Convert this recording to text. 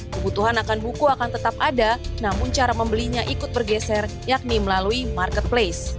kebutuhan akan buku akan tetap ada namun cara membelinya ikut bergeser yakni melalui marketplace